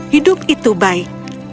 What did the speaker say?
hidup itu baik